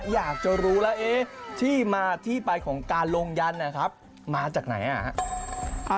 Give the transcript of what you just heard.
อยากจะรู้แล้วที่มาที่ไปของการลงยันนะครับมาจากไหน